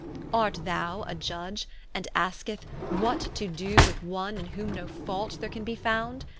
Art thou a Iudge, and askest, What to doe With One, in whom no fault there can be found?